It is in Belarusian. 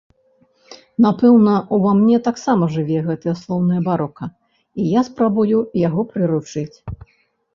Напэўна, ува мне таксама жыве гэтае слоўнае барока, і я спрабую яго прыручыць.